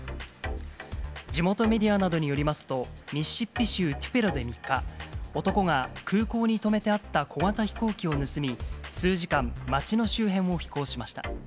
地元メディアなどによりますと、ミシシッピ州テュペロで３日、男が空港に止めてあった小型飛行機を盗み、数時間、町の周辺を飛行しました。